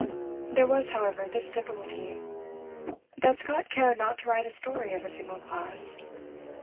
There was, however, this difficulty, that Scott cared not to write a story of a single class.